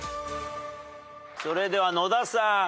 それでは野田さん。